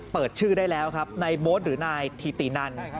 เปิดชื่อได้แล้วครับนายโบ๊ทหรือนายธิตินัน